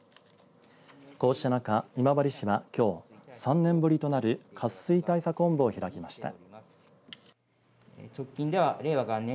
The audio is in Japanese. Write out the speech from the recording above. こうした中、今治市はきょう３年ぶりとなる渇水対策本部を開きました。